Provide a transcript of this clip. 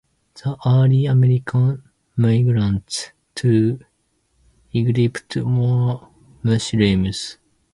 The early Armenian migrants to Egypt were Muslims.